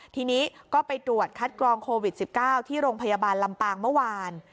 ทีนี้ก็ไปตรวจคัดกรองโควิด๑๙ที่โรงพยาบาลลำปางเมื่อวาน